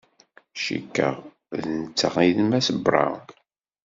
Cikkeɣ d netta ay d Mass Brown.